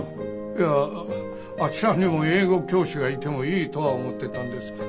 いやあちらにも英語教師がいてもいいとは思ってたんです。